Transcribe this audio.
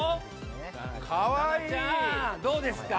どうですか？